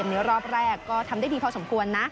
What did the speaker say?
ในรอบแรกก็ทำได้ดีพอสมควรนะ